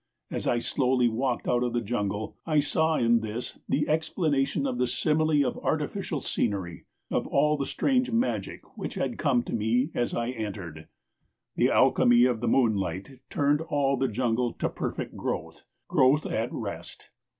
As I slowly walked out of the jungle I saw in this the explanation of the simile of artificial scenery, of all the strange magic which had come to me as I entered. The alchemy of moonlight turned all the jungle to perfect growth, growth at rest.